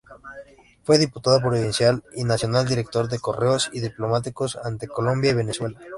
Fue diputado provincial y nacional, director de Correos y diplomático ante Colombia y Venezuela.